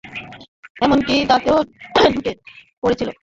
এমনকি দাঁতেও ঢুকে পড়েছিল!